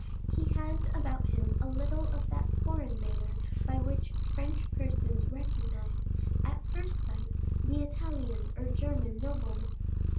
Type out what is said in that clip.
He has about him a little of that foreign manner by which French persons recognize, at first sight, the Italian or German nobleman.